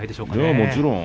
もちろん。